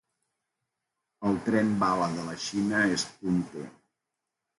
El tren bala de la Xina és punter.